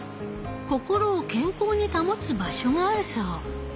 心を健康に保つ場所があるそう。